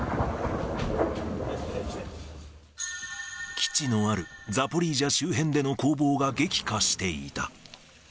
基地のあるザポリージャ周辺での攻防が激化していた。